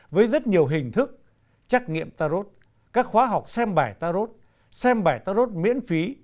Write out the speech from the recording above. với rất nhiều hình thức trắc nghiệm tarot các khóa học xem bài tarot xem bài tarot miễn phí